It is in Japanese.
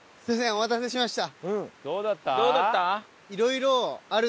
お待たせしました。